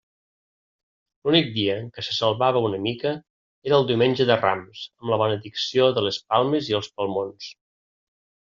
L'únic dia que se salvava una mica era el Diumenge de Rams, amb la benedicció de les palmes i els palmons.